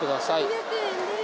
３００円です